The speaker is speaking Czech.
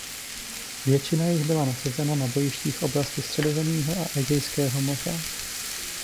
Většina jich byla nasazena na bojištích v oblasti Středozemního a Egejského moře.